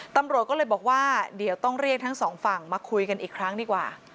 ตำรวจก็เลยบอกว่าเดี๋ยวต้องเรียกทั้งสองฝั่งมาคุยกันอีกครั้งดีกว่า